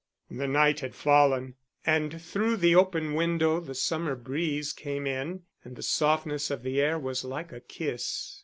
The night had fallen, and through the open window the summer breeze came in, and the softness of the air was like a kiss.